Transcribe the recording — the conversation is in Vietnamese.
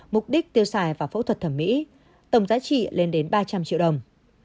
mục đích tiêu xài và phẫu thuật thẩm mỹ tổng giá trị lên đến ba trăm linh triệu đồng